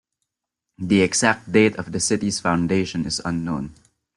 The exact date of the city's foundation is unknown.